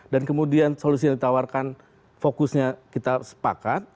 dan kemudian solusi yang ditawarkan fokusnya kita sepakat